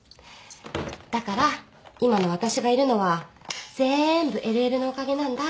だから今の私がいるのはぜんぶＬＬのおかげなんだ。